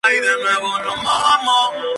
Mizuki está casada y tiene una hija.